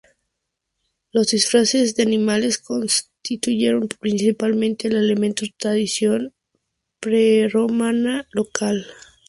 Los disfraces de animales constituyen principalmente el elemento tradición prerromana local.